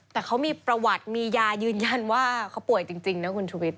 แต่เขามีประวัติมียายืนยันว่าเขาป่วยจริงนะคุณชุวิต